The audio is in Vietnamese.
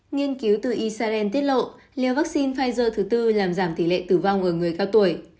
nghiên cứu từ israel tiết lộ liều vaccine pfizer thứ tư làm giảm tỷ lệ tử vong ở người cao tuổi